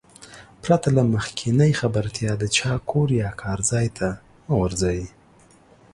پرته له مخکينۍ خبرتيا د چا کور يا کار ځاى ته مه ورځٸ.